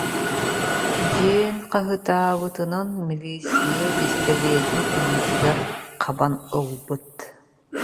диэн хаһыытаабытынан милииссийэ бэстилиэтин илиитигэр хабан ылбыт